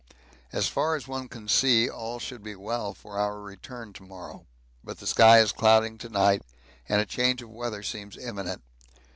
As far as one can see all should be well for our return to morrow, but the sky is clouding to night and a change of weather seems imminent.